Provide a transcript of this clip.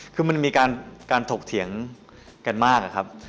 คือมันมีการถกเถียงกันมากอะครับ